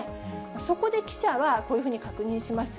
そこで記者は、こういうふうに確認します。